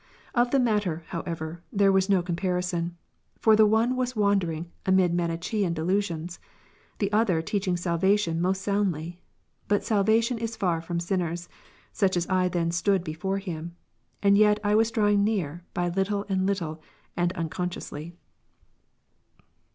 Of the matter, however, there was no comparison ; for the one was wandering amid Manichrean delusions, the other teaching salvation most Ps. 119, soundly. But salvation is far from sinners, such as I then stood before him ; and yet was I drawing nearer by little and little, and unconsciously.